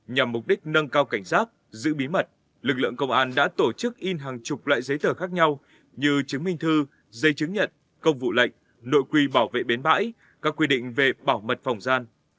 nhằm mục đích nâng cao cảnh sát giữ bí mật lực lượng công an đã tổ chức in hàng chục loại giấy tờ khác nhau như chứng minh thư giấy chứng nhận công vụ lệnh nội quy bảo vệ bến bãi các quy định về bảo mật phòng gian